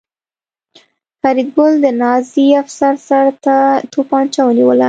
فریدګل د نازي افسر سر ته توپانچه ونیوله